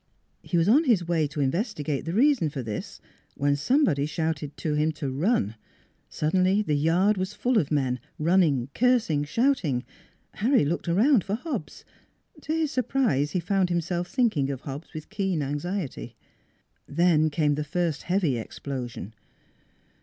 He was on his way to investigate the reason for this when somebody shouted to him to run. ... Suddenly the yard was full of men, running, cursing, shouting. Harry looked around for Hobbs: to his surprise he found him self thinking of Hobbs with keen anxiety. Then came the first heavy explosion.